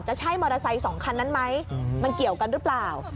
ใช่มอเตอร์ไซค์สองคันนั้นไหมมันเกี่ยวกันหรือเปล่า